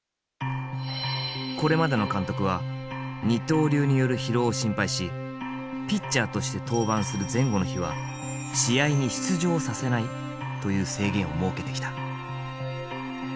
これまでの監督は二刀流による疲労を心配しピッチャーとして登板する前後の日は試合に出場させないという制限を設けてきた。